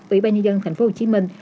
ủy ban nhân dân tp hcm